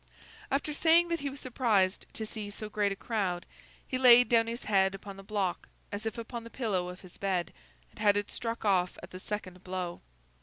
After saying that he was surprised to see so great a crowd, he laid down his head upon the block, as if upon the pillow of his bed, and had it struck off at the second blow.